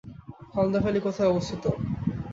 Halda valley কোথায় অবস্থিত?